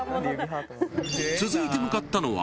［続いて向かったのは］